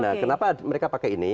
nah kenapa mereka pakai ini